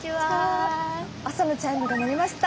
朝のチャイムが鳴りました。